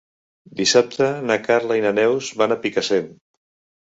Dissabte na Carla i na Neus van a Picassent.